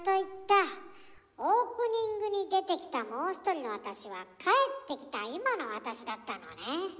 オープニングに出てきたもう一人の私は帰ってきた今の私だったのね。